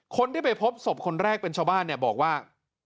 คนที่ไปพบศพคนแรกเป็นชาวบ้านเนี่ยบอกว่า